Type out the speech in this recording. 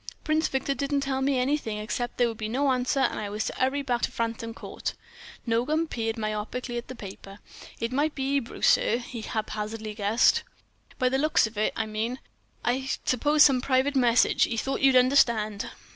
Prince Victor didn't tell me anything except there would be no answer, and I was to 'urry right back to Frampton Court." Nogam peered myopically at the paper. "It might be 'Ebrew, sir," he hazarded, helpfully—"by the looks of it, I mean. I suppose some private message, 'e thought you'd understand."